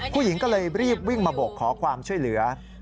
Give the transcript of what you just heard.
ผู้หญิงก็เลยรีบวิ่งมาบกขอความช่วยเหลือ